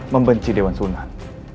membenci dewan sunan